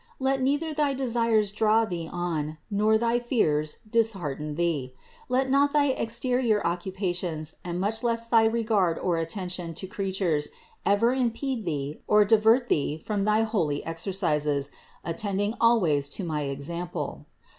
Let neither thy desires draw thee on, nor thy fears dishearten thee. Let not thy exterior occu pations, and much less thy regard or attention to crea tures, ever impede thee or divert thee from thy holy exercises, attending always to my example.